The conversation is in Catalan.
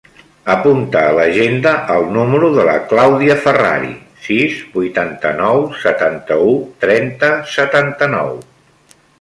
Apunta a l'agenda el número de la Clàudia Ferrari: sis, vuitanta-nou, setanta-u, trenta, setanta-nou.